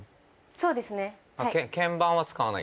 そうですねはい。